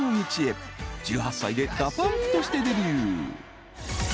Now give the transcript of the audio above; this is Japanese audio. ［１８歳でＤＡＰＵＭＰとしてデビュー］